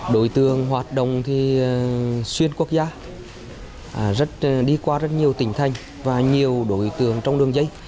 đối tượng hoạt động thì xuyên quốc gia đi qua rất nhiều tỉnh thành và nhiều đối tượng trong đường dây